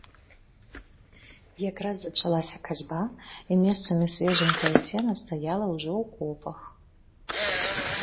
Якраз зачалася касьба, і месцамі свежанькае сена стаяла ўжо ў копах.